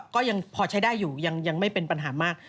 ก็ยังพอใช้ได้อยู่ยังไม่เป็นปัญหามาก